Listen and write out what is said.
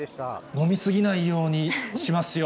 飲みすぎないようにしますよ。